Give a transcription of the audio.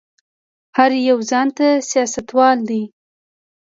هر يو ځان ته سياستوال دی.